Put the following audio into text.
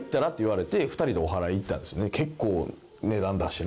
結構値段出してな。